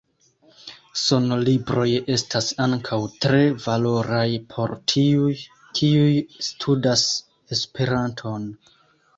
Sonlibroj estas ankaŭ tre valoraj por tiuj, kiuj studas Esperanton.